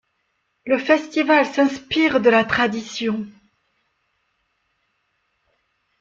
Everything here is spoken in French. Le festival s’inspirent de la tradition.